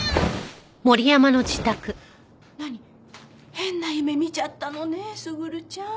変な夢見ちゃったのね卓ちゃん。